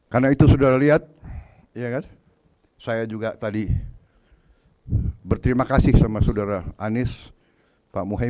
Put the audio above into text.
karena itu sudah lihat saya juga tadi berterima kasih sama saudara anies pak muhyemin